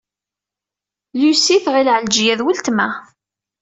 Lucie tɣil Ɛelǧiya d weltma.